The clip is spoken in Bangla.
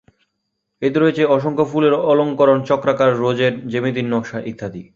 এতে রয়েছে অসংখ্য ফুলের অলঙ্করণ, চক্রাকার ‘রোজেট’, জ্যামিতিক নকশা ইত্যাদি।